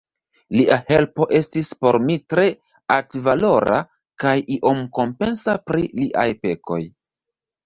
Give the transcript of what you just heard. Lia helpo estis por mi tre altvalora, kaj iom kompensas pri liaj pekoj.